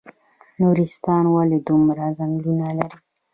نورستان ولې دومره ځنګلونه لري؟